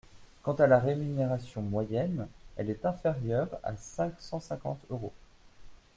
Quant à la rémunération moyenne, elle est inférieure à cinq cent cinquante euros.